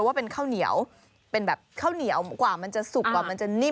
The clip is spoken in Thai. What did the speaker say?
ว่าเป็นข้าวเหนียวเป็นแบบข้าวเหนียวกว่ามันจะสุกกว่ามันจะนิ่ม